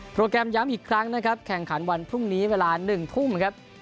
แกรมย้ำอีกครั้งนะครับแข่งขันวันพรุ่งนี้เวลา๑ทุ่มครับ